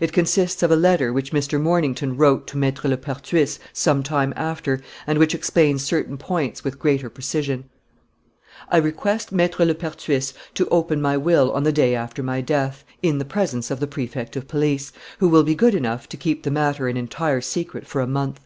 It consists of a letter which Mr. Mornington wrote to Maître Lepertuis some time after and which explains certain points with greater precision: "I request Maître Lepertuis to open my will on the day after my death, in the presence of the Prefect of Police, who will be good enough to keep the matter an entire secret for a month.